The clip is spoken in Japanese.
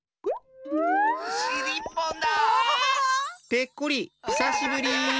ペッコリひさしぶり。